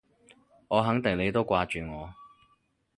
我肯定你都掛住我